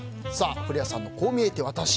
古谷さんのこう見えてワタシ